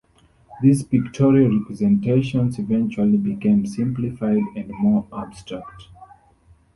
These pictorial representations eventually became simplified and more abstract.